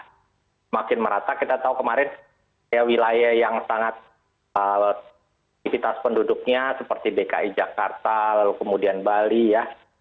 semakin merata kita tahu kemarin wilayah yang sangat aktivitas penduduknya seperti dki jakarta lalu kemudian bali ya